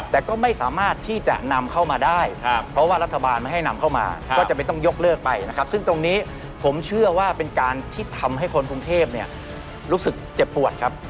แต่ก็ไม่สามารถที่จะนำเข้ามาได้เพราะว่ารัฐบาลไม่ให้นำเข้ามาก็จะไม่ต้องยกเลิกไปนะครับซึ่งตรงนี้ผมเชื่อว่าเป็นการที่ทำให้คนกรุงเทพเนี่ยรู้สึกเจ็บปวดครับ